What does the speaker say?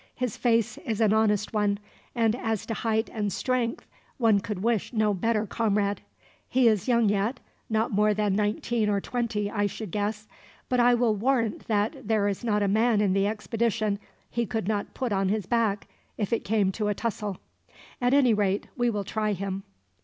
"His face is an honest one, and as to height and strength one could wish no better comrade. He is young yet, not more than nineteen or twenty, I should guess; but I will warrant that there is not a man in the expedition he could not put on his back, if it came to a tussle. At any rate, we will try him.